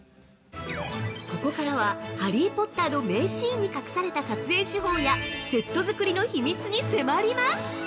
ここからはハリー・ポッターの名シーンに隠された撮影手法やセットづくりの秘密に迫ります！